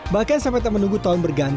bahkan sampai tak menunggu tahun berganti